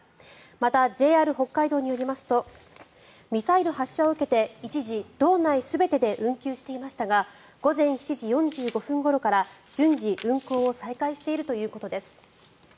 また、ＪＲ北海道によりますとミサイル発射を受けて一時、道内全てで運休していましたが午前７時４５分ごろから順次、運行を再開しているということです。